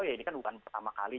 ya ini kan bukan pertama kali